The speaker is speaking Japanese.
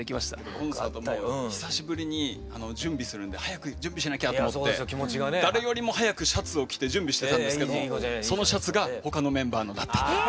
コンサートも久しぶりに準備するんで早く準備しなきゃと思って誰よりも早くシャツを着て準備してたんですけどもそのシャツが他のメンバーのだった。